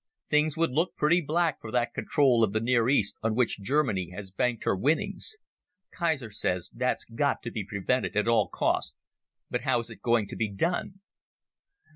Things would look pretty black for that control of the Near East on which Germany has banked her winnings. Kaiser says that's got to be prevented at all costs, but how is it going to be done?"